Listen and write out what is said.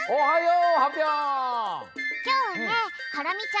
おはよう。